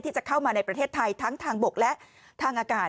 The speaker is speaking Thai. จะเข้ามาในประเทศไทยทั้งทางบกและทางอากาศ